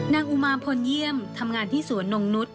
อุมารพลเยี่ยมทำงานที่สวนนงนุษย